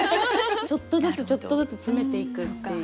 ちょっとずつちょっとずつ詰めていくっていう。